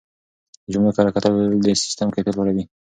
د جملو کره کتل د سیسټم کیفیت لوړوي.